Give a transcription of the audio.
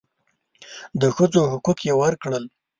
د ښځو حقوق یې ورکړل.